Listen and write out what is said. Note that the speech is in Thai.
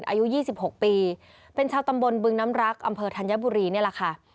อายุ๒๖ปีเป็นชาวตำบลบึงน้ำรักอำเภอธัญบุรีนี่แหละค่ะ